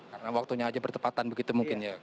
karena waktunya aja bertepatan begitu mungkin ya